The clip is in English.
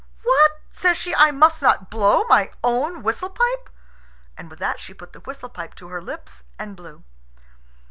"What?" says she; "I must not blow my own whistle pipe?" And with that she put the whistle pipe to her lips and blew.